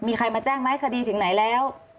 มีใครมาแจ้งไหมคดีถึงไหนแล้ว